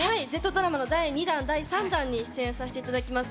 Ｚドラマの第２弾、第３弾に出演させていただきます。